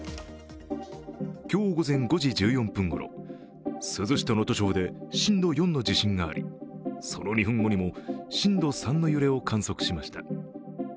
今日午前５時１４分ごろ、珠洲市能登町で震度４の地震がありその２分後にも震度３の揺れを観測しました。